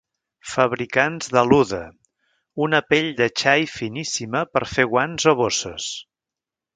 Fabricants d'aluda, una pell de xai finíssima per fer guants o bosses.